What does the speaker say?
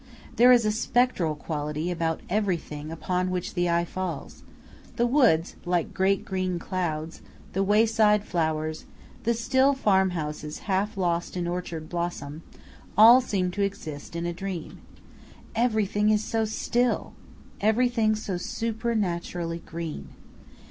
There is a spectral quality about everything upon which the eye falls: the woods, like great green clouds, the wayside flowers, the still farm houses half lost in orchard bloom all seem to exist in a dream. Everything is so still, everything so supernaturally green.